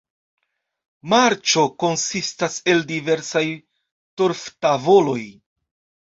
Marĉo konsistas el diversaj torf-tavoloj.